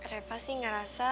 reva sih ngerasa